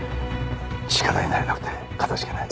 力になれなくてかたじけない。